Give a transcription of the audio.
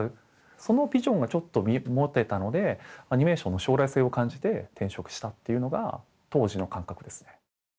そのビジョンがちょっと持てたのでアニメーションの将来性を感じて転職したっていうのが当時の感覚ですね。